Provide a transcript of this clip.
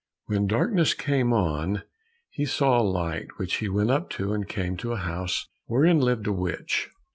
When darkness came on, he saw a light, which he went up to, and came to a house wherein lived a witch.